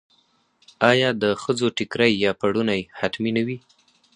آیا د ښځو ټیکری یا پړونی حتمي نه وي؟